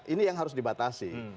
ini yang harus dibatasi